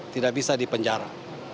tidak bisa dipenjara